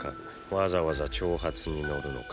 わざわざ挑発に乗るのか？